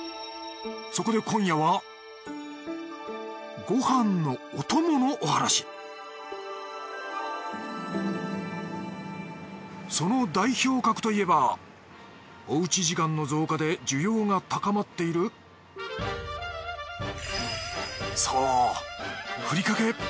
そこで今夜はご飯のお供のお話その代表格といえばおうち時間の増加で需要が高まっているそうふりかけ。